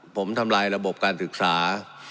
ผมทำลายระบบการศึกษา